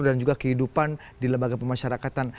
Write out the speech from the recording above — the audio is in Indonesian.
dan juga kehidupan di lembaga pemasyarakatan